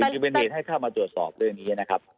จึงเป็นเหตุให้เข้ามาตรวจสอบเรื่องนี้นะครับ